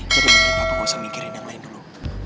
jadi gini papa nggak usah mikirin yang lain dulu